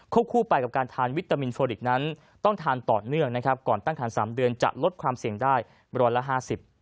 คุกคู่ไปกับการทานวิตามินโฟลิกนั้นต้องทานต่อเนื่องก่อนตั้งทาน๓เดือนจะลดความเสี่ยงได้บร้อยละ๕๐